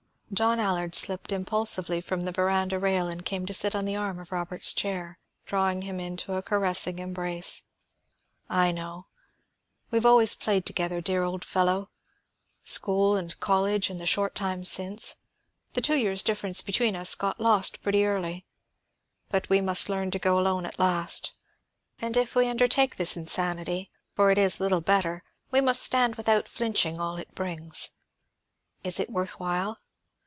John Allard slipped impulsively from the veranda rail and came to sit on the arm of Robert's chair, drawing him into a caressing embrace. "I know; we've always played together, dear old fellow. School and college, and the short time since, the two years' difference between us got lost pretty early. But we must learn to go alone at last. And if we undertake this insanity for it is little better we must stand without flinching all it brings. Is it worth while?